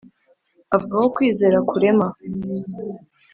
avuga ko kwizera kurema